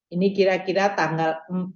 ini kira kira tanggal